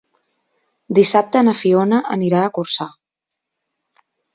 Dissabte na Fiona anirà a Corçà.